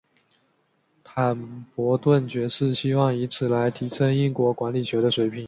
坦伯顿爵士希望以此来提升英国管理学的水平。